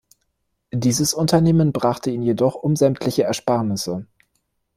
Dieses Unternehmen brachte ihn jedoch um sämtliche Ersparnisse.